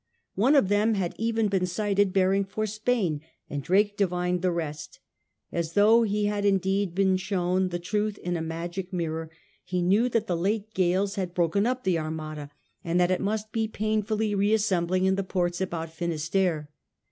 One of them had even been sighted bearing for Spain, and Drake divined the rest As though he had indeed been shown the truth in a magic mirror, he knew that the late gales had broken up the Armada and that it must be painfully reassembling in the ports about Finisterre.